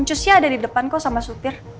ncusnya ada di depan kok sama sutir